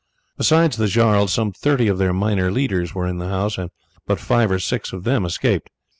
Besides the jarls some thirty of their minor leaders were in the house, and but five or six of them escaped.